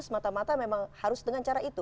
semata mata memang harus dengan cara itu